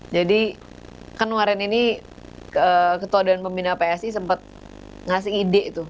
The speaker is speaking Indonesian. jadi kan waran ini ketua dewan pembina psi sempat ngasih ide itu